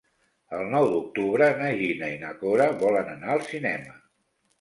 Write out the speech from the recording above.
El nou d'octubre na Gina i na Cora volen anar al cinema.